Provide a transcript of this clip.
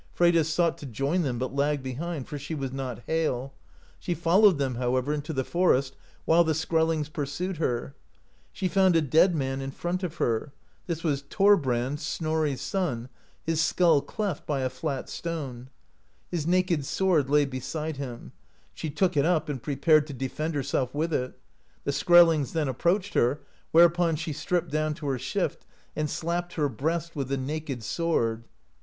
Freydis sought to join them, but lagged behind, for she was not hale; she fol lowed them, however, into the forest, while the Skrell ings pursued her ; she found a dead man in front of her ; this was Thorbrand, Snorri's son, his skull cleft by a flat stone; his naked sword lay beside him; she took it up, and prepared to defend herself with it. The Skrellings then approached her, whereupon she stripped down her shift, and slapped her breast with the naked sword.